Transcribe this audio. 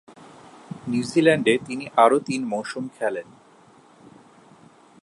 নিউজিল্যান্ডে তিনি আরও তিন মৌসুম খেলেন।